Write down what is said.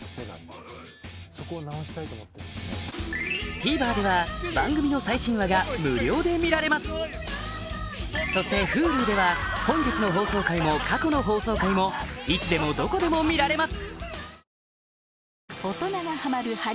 ＴＶｅｒでは番組の最新話が無料で見られますそしてＨｕｌｕでは本日の放送回も過去の放送回もいつでもどこでも見られます